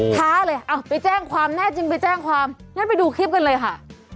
ท้าเลยไปแจ้งความแน่จริงไปดูคลิปกันเลยค่ะ